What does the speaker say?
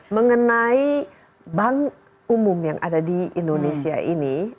mengenai bank umum yang ada di indonesia ini